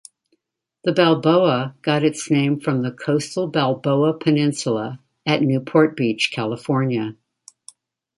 The "Balboa" got its name from the coastal Balboa Peninsula at Newport Beach, California.